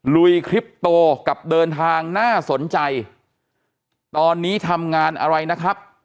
ลุยคลิปโตกับเดินทางน่าสนใจตอนนี้ทำงานอะไรนะครับ